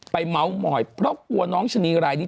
เมาส์มอยเพราะกลัวน้องชะนีรายนี้